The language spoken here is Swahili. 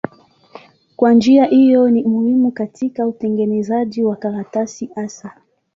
Kwa njia hiyo ni muhimu katika utengenezaji wa karatasi hasa.